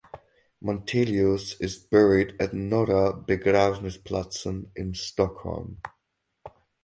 Montelius is buried at Norra begravningsplatsen in Stockholm.